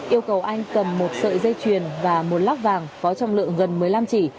yêu cầu anh cầm một sợi dây chuyền và một lóc vàng có trọng lượng gần một mươi năm chỉ